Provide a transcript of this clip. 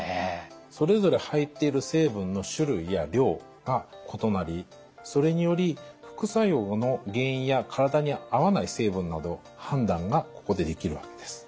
それぞれ入っている成分の種類や量が異なりそれにより副作用の原因や体に合わない成分など判断がここでできるわけです。